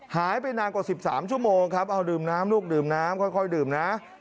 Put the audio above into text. หายไปนานกว่า๑๓ชั่วโมงครับเอาดื่มน้ำลูกดื่มน้ำค่อยดื่มนะ